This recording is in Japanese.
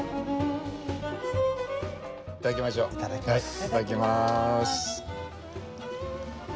いただきます。